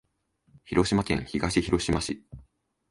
広島県東広島市